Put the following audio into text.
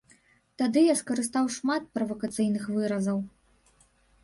Тады я скарыстаў шмат правакацыйных выразаў.